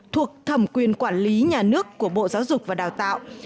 thuộc thẩm quyền quản lý nhà nước của bộ giáo dục và đào tạo